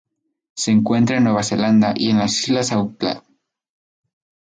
Se encuentra en Nueva Zelanda y las Islas Auckland.